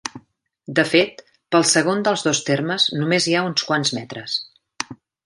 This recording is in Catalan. De fet, pel segon dels dos termes només hi fa uns quants metres.